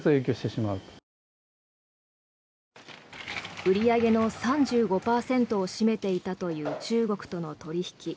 売り上げの３５％を占めていたという中国との取引。